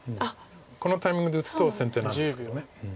このタイミングで打つと先手なんですけど。